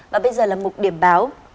và bây giờ là một điểm báo